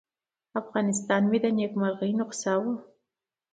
افغانستان مې د نیکمرغۍ نسخه وه.